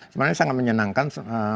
sebenarnya sangat menyenangkan